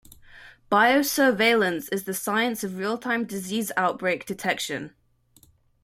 Biosurveillance is the science of real-time disease outbreak detection.